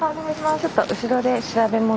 ちょっと後ろで調べ物しますね。